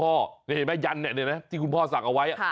เห็นไหมยันที่คุณพ่อสักเอาไว้